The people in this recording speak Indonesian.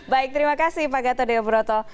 baik terima kasih pak gatot daya purwoto